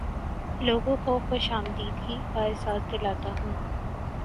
لوگوں کو خوش آمدیدگی کا احساس دلاتا ہوں